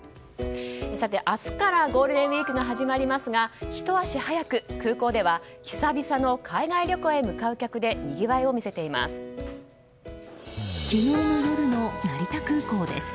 明日からゴールデンウィークが始まりますがひと足早く空港では久々の海外旅行に向かう客でにぎわいを見せています。